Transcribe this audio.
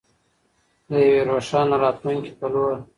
د یوې روښانه راتلونکې په لور.